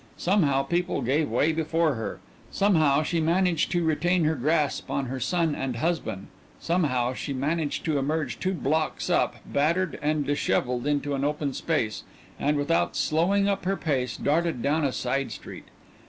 Somehow people gave way before her; somehow she managed to retain her grasp on her son and husband; somehow she managed to emerge two blocks up, battered and dishevelled, into an open space, and, without slowing up her pace, darted down a side street.